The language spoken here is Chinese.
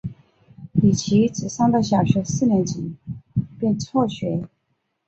李琦只上到小学四年级便辍学。